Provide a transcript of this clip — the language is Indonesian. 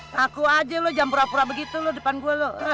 ngaku aja lu jam pura pura begitu lu depan gue lo